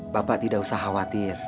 bapak tidak usah khawatir